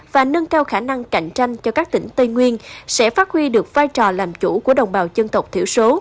và nâng cao khả năng cạnh tranh cho các tỉnh tây nguyên sẽ phát huy được vai trò làm chủ của đồng bào dân tộc thiểu số